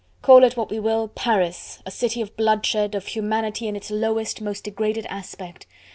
call it what we will! Paris! a city of bloodshed, of humanity in its lowest, most degraded aspect.